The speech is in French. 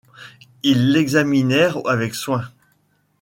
Ils l’examinèrent avec soin.